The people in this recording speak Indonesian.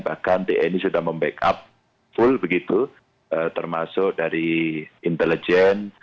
bahkan tni sudah membackup full begitu termasuk dari intelijen